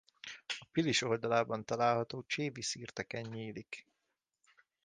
A Pilis oldalában található Csévi-szirteken nyílik.